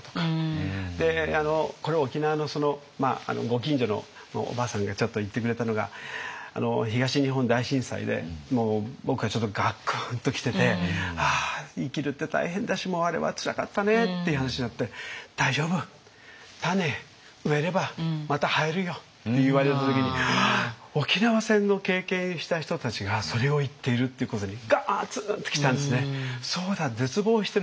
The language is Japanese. これ沖縄のご近所のおばあさんがちょっと言ってくれたのが東日本大震災で僕はちょっとガクーンと来てて「ああ生きるって大変だしもうあれはつらかったね」っていう話になって「大丈夫。種植えればまた生えるよ」って言われた時にああ沖縄戦の経験した人たちがそれを言っているっていうことにガツーンと来たんですね。